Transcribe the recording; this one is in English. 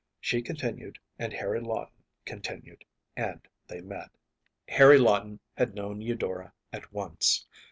She continued, and Harry Lawton continued, and they met. Harry Lawton had known Eudora at once.